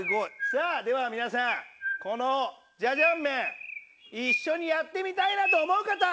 さぁでは皆さんこのジャジャン麺一緒にやってみたいなと思う方